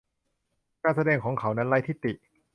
การแสดงของเขานั้นไร้ที่ติ